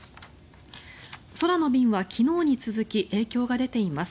空の便は昨日に続き影響が出ています。